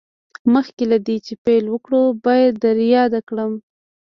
مخکې له دې چې پیل وکړو باید در یاده کړم